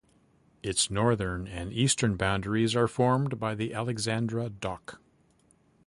Its northern and eastern boundaries are formed by the Alexandra Dock.